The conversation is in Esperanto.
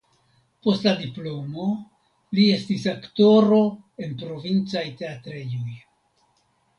Post la diplomo li estis aktoro en provincaj teatrejoj.